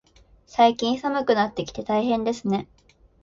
最近、寒くなってきて大変ですね。